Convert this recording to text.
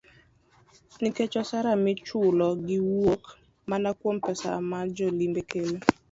Nikech osara michulo gi wuok mana kuom pesa ma jo limbe kelo.